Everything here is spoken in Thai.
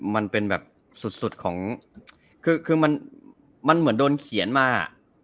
มันเป็นแบบสุดของคือมันเหมือนโดนเขียนมา